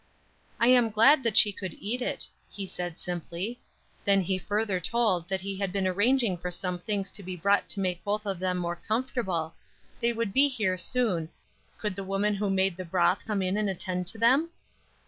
"I am glad that she could eat it," he said simply. Then he further told that he had been arranging for some things to be brought to make both of them more comfortable; they would be here soon, could the woman who made the broth come in and attend to them?